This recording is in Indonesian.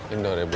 indoor ya bu